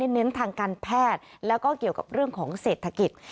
เน้นทางการแพทย์แล้วก็เกี่ยวกับเรื่องของเศรษฐกิจ